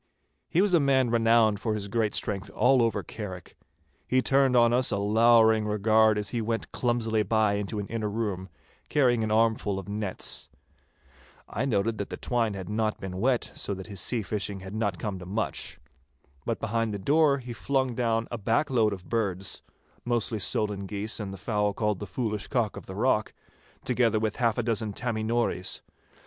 He was a man renowned for his great strength all over Carrick. He turned on us a lowering regard as he went clumsily by into an inner room, carrying an armful of nets. I noted that the twine had not been wet, so that his sea fishing had not come to much. But behind the door he flung down a back load of birds—mostly solan geese and the fowl called 'the Foolish Cock of the Rock,' together with half a dozen 'Tammy Nories.